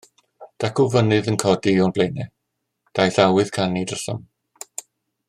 Dacw fynydd yn codi o'n blaenau; daeth awydd canu drosom.